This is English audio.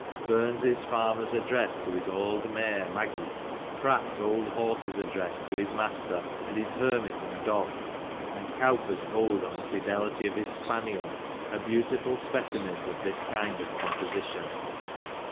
Burns's Farmer's Address to his auld Mare Maggie; Pratt's old Horse's Address to his Master, and his Hermit and Dog ; and Cowper's Ode on the Fidelity of his Spaniel, are beautiful specimens of this kind of composition.